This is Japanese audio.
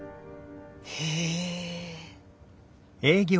へえ。